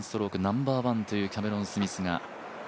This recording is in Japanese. ナンバーワンというキャメロン・スミスが。